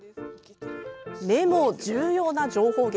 根も重要な情報源。